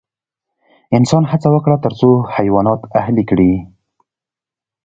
انسان هڅه وکړه تر څو حیوانات اهلي کړي.